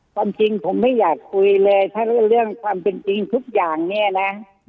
ความจริงผมไม่อยากคุยเลยถ้าเรื่องความเป็นจริงทุกอย่างเนี่ยนะ